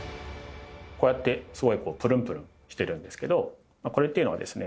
こうやってすごいこうぷるんぷるんしてるんですけどこれっていうのはですね